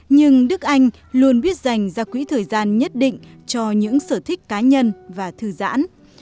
nhưng đức anh luôn biết dành ra quỹ thời gian nhất định cho những sở thích cá nhân và thư giãn